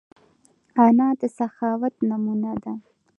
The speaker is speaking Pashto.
انا د سخاوت نمونه ده